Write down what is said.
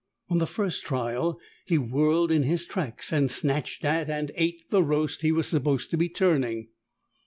On the first trial, he whirled in his tracks and snatched at and ate the roast he was supposed to be turning.